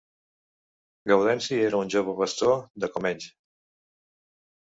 Gaudenci era un jove pastor de Comenge.